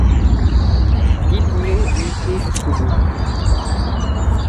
Il voulait lutter jusqu’au bout.